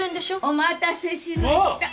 お待たせしました。